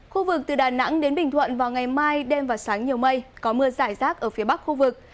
khu vực từ đà nẵng đến bình thuận vào ngày mai đêm và sáng nhiều mây có mưa giải rác ở phía bắc khu vực